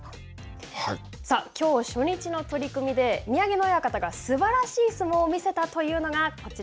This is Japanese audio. さあきょう初日の取組で宮城野親方がすばらしい相撲を見せたというのが、こちら。